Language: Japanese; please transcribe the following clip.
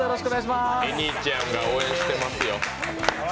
エニーちゃんが応援してますよ。